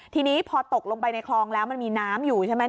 ทีนี้พอตกลงไปในคลองแล้วมันมีน้ำอยู่ใช่ไหม